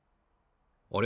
あれ？